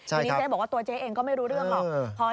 ทีนี้เจ๊บอกว่าตัวเจ๊เองก็ไม่รู้เรื่องหรอก